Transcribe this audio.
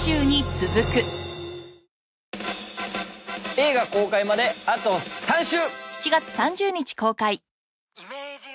映画公開まであと３週！